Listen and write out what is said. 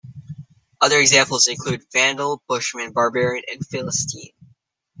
Other examples include Vandal, Bushman, Barbarian, and Philistine.